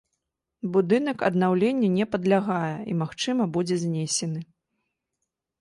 Будынак аднаўленню не падлягае і, магчыма, будзе знесены.